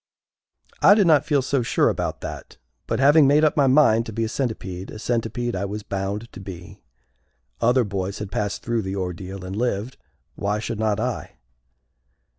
I did not feel so sure about that; but, having made up my mind to be a Centipede, a Centipede I was bound to be. Other boys had passed through the ordeal and lived, why should not I?